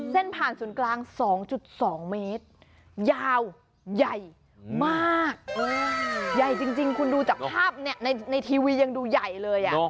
เส้นผ่านศูนย์กลางสองจุดสองเมตรยาวใหญ่มากอืมใหญ่จริงจริงคุณดูจากภาพเนี่ยในในทีวียังดูใหญ่เลยอ่ะ